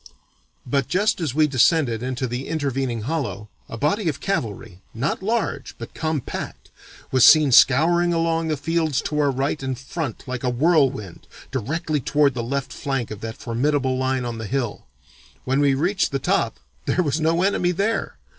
But just as we descended into the intervening hollow, a body of cavalry, not large but compact, was seen scouring along the fields to our right and front like a whirlwind directly toward the left flank of that formidable line on the hill. When we reached the top there was no enemy there!